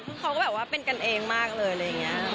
ซึ่งเขาก็แบบว่าเป็นกันเองมากเลยอะไรอย่างนี้